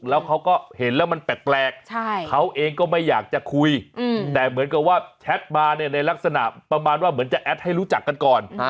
แล้วเขาก็เห็นแล้วมันแปลกเขาเองก็ไม่อยากจะคุยแต่เหมือนกับว่าแชทมาเนี่ยในลักษณะประมาณว่าเหมือนจะแอดให้รู้จักกันก่อน